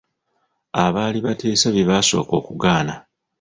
Abaali bateesa bye basooka okugaana.